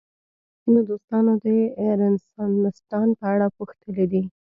ځینو دوستانو د رنسانستان په اړه پوښتلي دي.